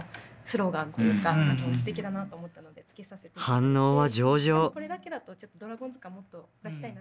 反応は上々。